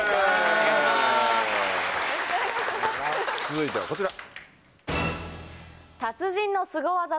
続いてはこちら。